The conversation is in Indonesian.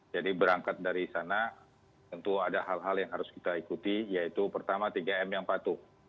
jadi berangkat dari sana tentu ada hal hal yang harus kita ikuti yaitu pertama tiga m yang patuh